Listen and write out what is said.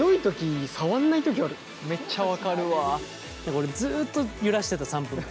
俺ずっと揺らしてた３分間。